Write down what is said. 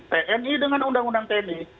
tni dengan undang undang tni